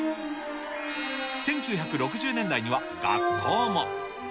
１９６０年代には、学校も。